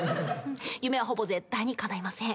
夢はほぼ絶対にかないません。